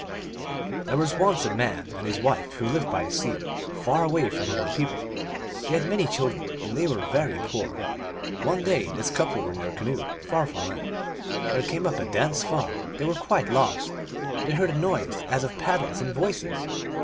There was once a man and his wife who lived by the sea, far away from other people. They had many children, and they were very poor. One day this couple were in their canoe, far from land. There came up a dense fog ; they were quite lost. They heard a noise as of paddles and voices.